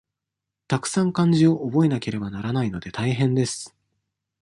たくさん漢字を覚えなければならないので、大変です。